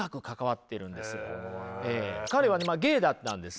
彼はゲイだったんですね。